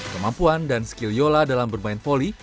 kemampuan dan skill yola dalam bermain volley